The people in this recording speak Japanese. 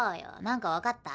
何か分かった？